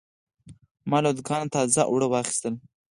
ما له دوکانه تازه اوړه واخیستل.